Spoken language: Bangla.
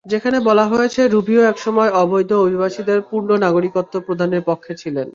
সেখানে বলা হয়েছে, রুবিও একসময় অবৈধ অভিবাসীদের পূর্ণ নাগরিকত্ব প্রদানের পক্ষে ছিলেন।